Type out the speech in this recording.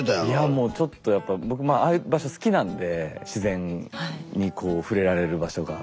もうちょっとやっぱ僕まあああいう場所好きなんで自然にこう触れられる場所が。